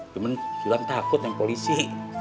cuma sulam takut dengan polisi